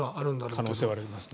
可能性はありますね。